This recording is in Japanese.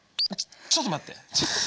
ちょっと待って。